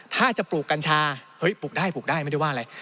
ถ้าจะปลูกกัญชาเฮ้ยปลูกได้ปลูกได้ไม่ได้ว่าอะไร